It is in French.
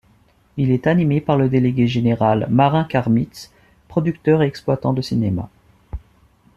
Il est animé par le délégué général Marin Karmitz, producteur et exploitant de cinéma.